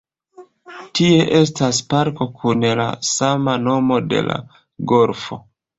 Tie estas parko kun la sama nomo de la golfo.